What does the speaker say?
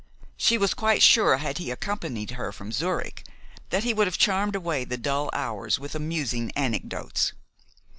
She was quite sure, had he accompanied her from Zurich, that he would have charmed away the dull hours with amusing anecdotes.